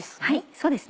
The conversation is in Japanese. そうですね